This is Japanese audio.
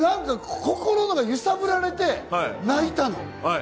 心の中を揺さぶられて、泣いたの。